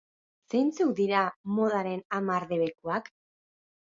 Zeintzuk dira modaren hamar debekuak?